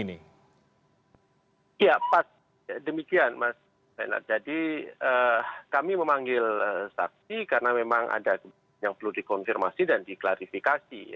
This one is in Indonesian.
ya pas demikian mas jadi kami memanggil saksi karena memang ada yang perlu dikonfirmasi dan diklarifikasi